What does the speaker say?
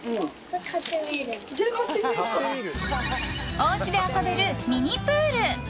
おうちで遊べるミニプール。